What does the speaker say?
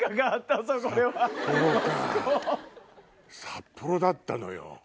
札幌だったのよ。